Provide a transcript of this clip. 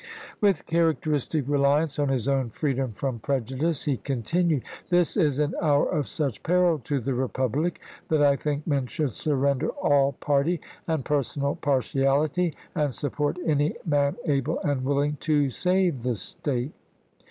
With charac teristic reliance on his own freedom from prejudice, he continued: "This is an hour of such peril to the Republic that I think men should surrender all party and personal partiality, and support any man able and willing to save the state."